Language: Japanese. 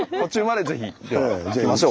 では行きましょう。